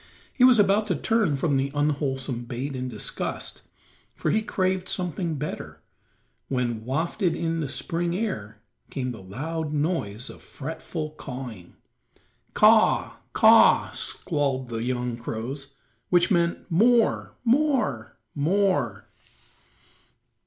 He was about to turn from the unwholesome bait in disgust, for he craved something better, when, wafted on the spring air came the loud noise of fretful cawing. "Caw r r, caw r r," squalled the young crows, which meant, "More, more, more."